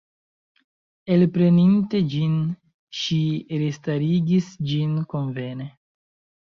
Elpreninte ĝin, ŝi restarigis ĝin konvene.